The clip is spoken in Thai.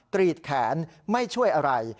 กรีดแขนไม่ช่วยอะไร